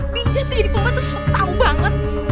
pinjat diri bapak tuh sotau banget